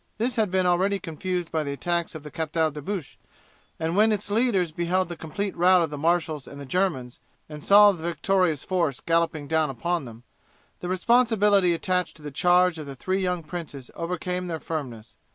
This had been already confused by the attacks of the Captal De Buch, and when its leaders beheld the complete rout of the marshals and the Germans, and saw the victorious force galloping down upon them, the responsibility attached to the charge of the three young princes overcame their firmness.